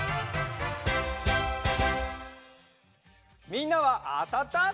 みんなはあたった？